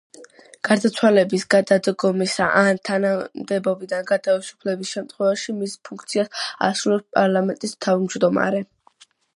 გარდაცვალების, გადადგომის ან თანამდებობიდან გათავისუფლების შემთხვევაში მის ფუნქციებს ასრულებს პარლამენტის თავმჯდომარე.